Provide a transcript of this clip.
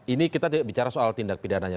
ini kita bicara soal tindak pidananya